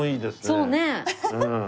そうね。